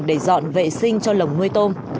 để dọn vệ sinh cho lồng nuôi tôm